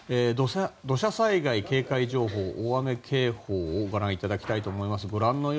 土砂災害警戒情報と大雨警報をご覧いただきたいと思います。